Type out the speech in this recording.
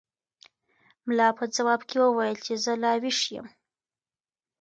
ملا په ځواب کې وویل چې زه لا ویښ یم.